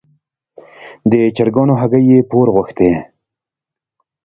د چرګانو هګۍ یې پور غوښتې.